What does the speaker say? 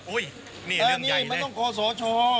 อุ๊ยนี่เรื่องใหญ่น่ะนี่มันต้องคอสอชอ